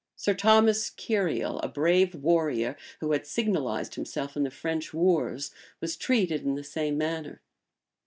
[*] Sir Thomas Kiriel, a brave warrior, who had signalized himself in the French wars, was treated in the same manner.